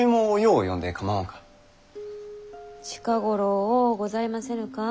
近頃多うございませぬか？